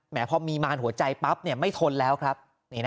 พอมีมารหัวใจปั๊บไม่ทนแล้วครับ